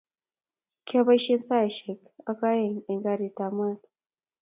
kiapoisien saisiekak ak oeng en garikab maat